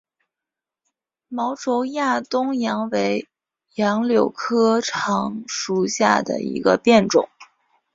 毛轴亚东杨为杨柳科杨属下的一个变种。